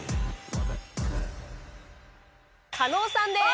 加納さんです。